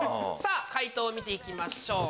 解答を見て行きましょう。